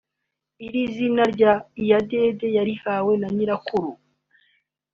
Iri zina rya Iyadede yarihawe na nyirakuru